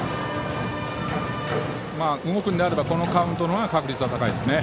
動くんであればこのカウントなら確率は高いですね。